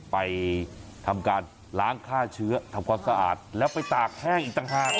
ไปทำการล้างฆ่าเชื้อทำความสะอาดแล้วไปตากแห้งอีกต่างหาก